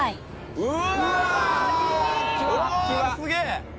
うわおすげえ！